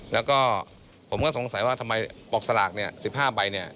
แล้วก็ผมก็สงสัยว่าทำไมปลอกสลาก๑๕ใบ